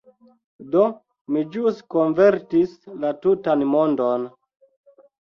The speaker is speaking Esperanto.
Do, mi ĵus konvertis la tutan mondon!